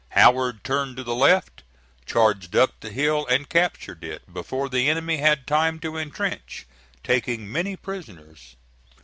Howard turned to the left, charged up the hill and captured it before the enemy had time to intrench, taking many prisoners.